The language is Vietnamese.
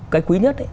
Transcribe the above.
cái quý nhất